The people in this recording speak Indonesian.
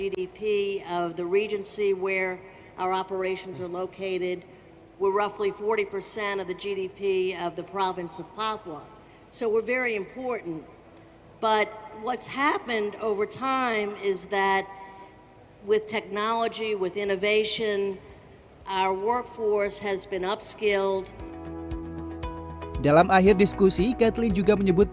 dalam akhir diskusi kathleen juga berkata